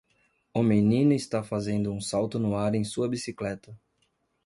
O menino está fazendo um salto no ar em sua bicicleta.